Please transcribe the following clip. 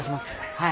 はい。